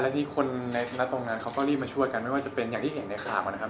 ที่คนในตรงนั้นเขาก็รีบมาช่วยกันไม่ว่าจะเป็นอย่างที่เห็นในข่าวนะครับ